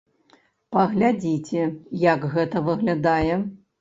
Паглядзіце як гэта выглядае.